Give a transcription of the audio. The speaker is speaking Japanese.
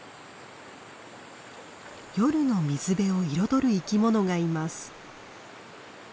夜の水辺を彩る生き物がいます。